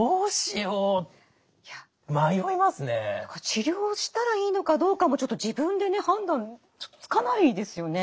治療したらいいのかどうかも自分で判断つかないですよね。